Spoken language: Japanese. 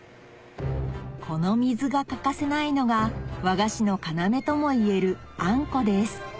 この水が欠かせないのが和菓子の要ともいえるあんこです